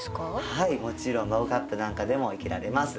はいもちろんマグカップなんかでも生けられます。